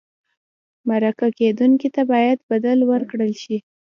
مرکه کېدونکي ته باید بدل ورکړل شي.